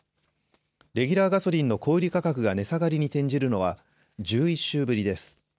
レギュラーガソリンの小売価格が値下がりに転じるのは１１週ぶりです。